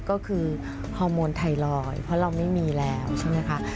ก็คือฮอร์โมนไทรอยด์เพราะเราไม่มีแล้วใช่ไหมคะ